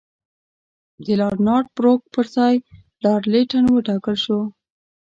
د لارډ نارت بروک پر ځای لارډ لیټن وټاکل شو.